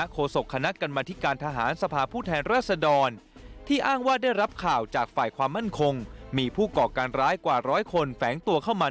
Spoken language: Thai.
คงมีผู้เกาะการร้ายกว่าร้อยคนแฝงตัวเข้ามา